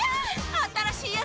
新しいやつ！